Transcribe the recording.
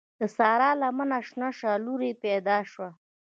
د سارا لمنه شنه شوه؛ لور يې پیدا شوه.